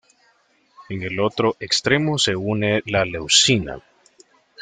En el otro extremo se une la leucina.